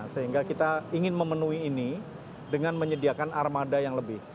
sehingga kita ingin memenuhi ini dengan menyediakan armada yang lebih